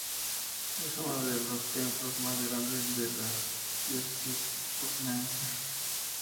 Es uno de los templos más grandes de la diócesis gerundense.